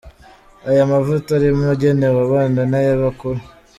Aya mavuta arimo agenewe abana n’ay’abakuru.